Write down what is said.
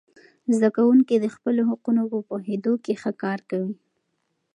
زده کوونکي د خپلو حقونو په پوهیدو کې ښه کار کوي.